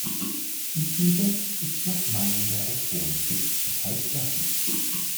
Intelligenz ist nach Meinung der Autoren größtenteils erblich.